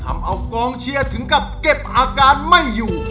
ทำเอากองเชียร์ถึงกับเก็บอาการไม่อยู่